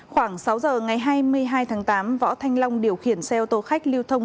khoảng sáu giờ ngày hai mươi hai tháng tám võ thanh long điều khiển xe ô tô khách lưu thông